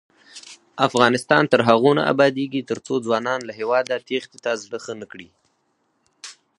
افغانستان تر هغو نه ابادیږي، ترڅو ځوانان له هیواده تېښتې ته زړه ښه نکړي.